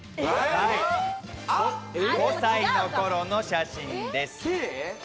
５歳の頃の写真です。